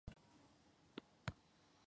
妈屿在清朝之前属潮州府潮阳县。